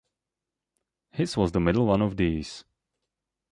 His was the middle one of these.